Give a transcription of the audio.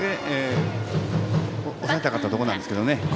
押さえたかったところなんですがね。